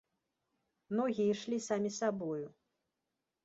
Ногі ішлі самі сабою.